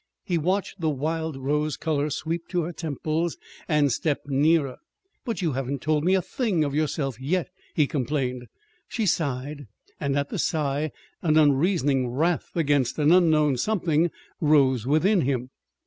He watched the wild rose color sweep to her temples and stepped nearer. "But you haven't told me a thing of yourself yet," he complained. She sighed and at the sigh an unreasoning wrath against an unknown something rose within him.